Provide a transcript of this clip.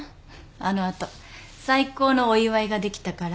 あの後最高のお祝いができたから。